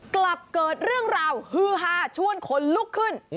กลับเกิดเรื่องราวฮือฮาชวนคนลุกขึ้น